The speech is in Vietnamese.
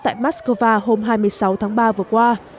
tại moscow hôm hai mươi sáu tháng ba vừa qua